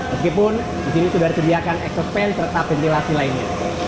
meskipun disini sudah disediakan exhaust fan serta ventilasi lainnya